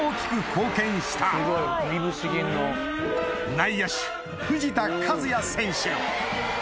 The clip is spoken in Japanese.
内野手藤田一也選手